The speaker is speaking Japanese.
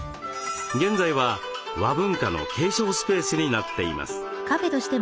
現在は和文化の継承スペースになっています。